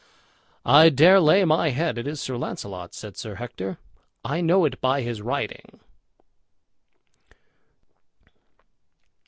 "I dare lay my head it is Sir Launcelot," said Sir Hector; "I know it by his riding."